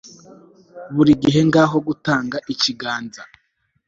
buri gihe ngaho gutanga ikiganza